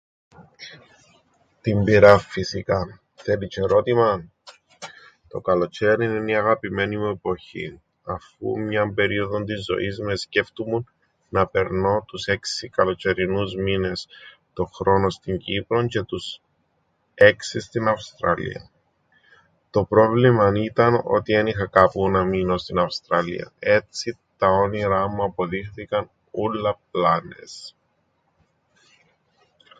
Την πυράν φυσικά, θέλει τζ̆αι ρώτημαν; Το καλοτζ̆αίριν εν' η αγαπημένη μου εποχή, αφού μιαν περίοδον της ζωής μου εσκέφτουμουν να περνώ τους έξι καλοτζ̆αιρινούς μήνες τον χρόνον στην Κύπρον τζ̆αι τους έξι στην Αυστραλίαν. Το πρόβλημαν ήταν ότι εν είχα κάπου να μείνω στην Αυστραλίαν. Έτσι, τα όνειρά μου αποδείχθηκαν ούλλα πλάνες.